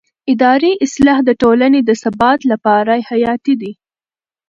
اداري اصلاح د ټولنې د ثبات لپاره حیاتي دی